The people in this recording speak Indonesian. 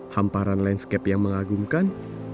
hamparan landscape yang mengagumkan